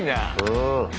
うん。